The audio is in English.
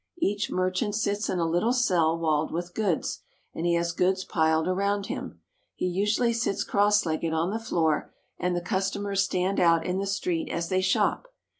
Each merchant sits in a little cell walled with goods, and he has goods piled around him. He usually sits cross legged on the floor, and the custom ers stand out in the street as they shop.